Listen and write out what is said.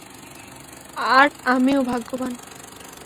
আর আমিও ভাগ্যবান।